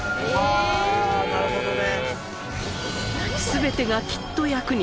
ああなるほどね。